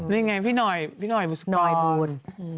นี่ไงพี่หน่อยพี่หน่อยบูล